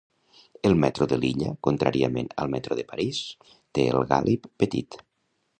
El metro de Lilla, contràriament al Metro de París, té el gàlib petit.